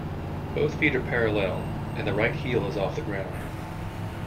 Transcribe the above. Both feet are parallel, and the right heel is off the ground.